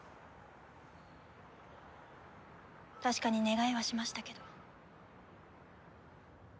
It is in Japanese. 確かに願いはしましたけど。